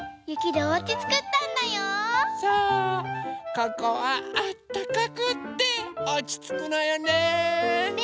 ここはあったかくておちつくのよね。ね。